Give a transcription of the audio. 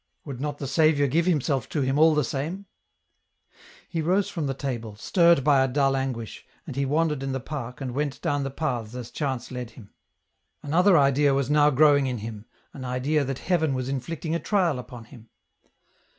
Would not the Saviour give Himself to him all the same ? He rose from the table, stirred by a dull anguish, and he wandered in the park and went down the paths as chance led him. Another idea was now growing in him, an idea that Heaven was inflicting a trial upon him.